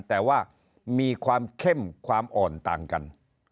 แต่ว่ามีความเข้มความอ่อนต่างกัน